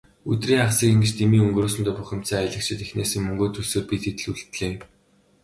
Өдрийн хагасыг ингэж дэмий өнгөрөөсөндөө бухимдсан аялагчид эхнээсээ мөнгөө төлсөөр, бид хэд л үлдлээ.